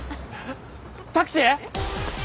タクシー！